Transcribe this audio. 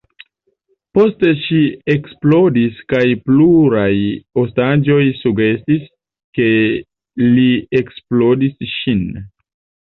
Poste ŝi eksplodis kaj pluraj ostaĝoj sugestis, ke li eksplodigis ŝin.